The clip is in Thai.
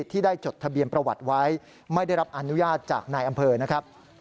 ที่ได้จดทะเบียนประวัติไว้ไม่ได้รับอนุญาตจากนายอำเภอนะครับ